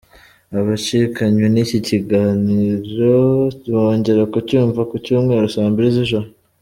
Abacikanywe n’iki kiganiro bongera kucyumva ku cyumweru saa mbili z’ijoro.